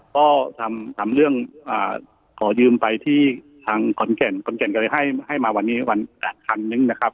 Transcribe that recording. ก็ทำเรื่องขอยืมไปที่ทางขอนแก่นขอนแก่นก็เลยให้มาวันนี้วันคันนึงนะครับ